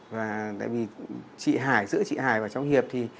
và tại vì chị hải giữa chị hải và trong hiệp thì